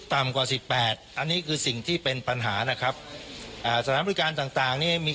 ตำลวดนี่คือเก็บไปหมดแล้วเมื่อสักครู่ที่พาลงมาดูเนี่ย